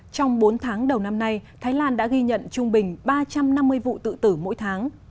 trong bốn tháng đầu năm nay thái lan đã ghi nhận trung bình ba trăm năm mươi vụ tự tử mỗi tháng